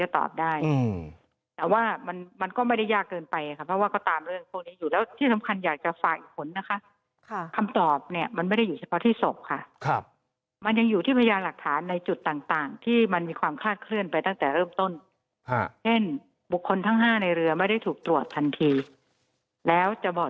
ตอบได้แต่ว่ามันมันก็ไม่ได้ยากเกินไปค่ะเพราะว่าก็ตามเรื่องพวกนี้อยู่แล้วที่สำคัญอยากจะฝากอีกผลนะคะคำตอบเนี่ยมันไม่ได้อยู่เฉพาะที่ศพค่ะครับมันยังอยู่ที่พยานหลักฐานในจุดต่างที่มันมีความคลาดเคลื่อนไปตั้งแต่เริ่มต้นเช่นบุคคลทั้ง๕ในเรือไม่ได้ถูกตรวจทันทีแล้วจะบอก